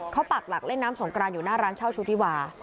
เขาปักหลักเล่นน้ำสงกรานอยู่หน้าร้านเช่าชุธิวา